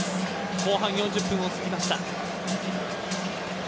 後半４０分が過ぎました。